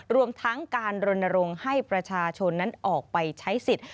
รวมทั้งการรณรงค์ให้ประชาชนนั้นออกไปใช้สิทธิ์